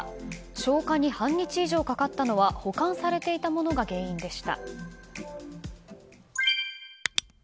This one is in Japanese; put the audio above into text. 消火に半日かかったのは保管されていたものが原因でした。